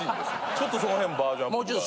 ちょっとその辺バージョンアップ。